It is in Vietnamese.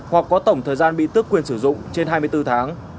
hoặc có tổng thời gian bị tước quyền sử dụng trên hai mươi bốn tháng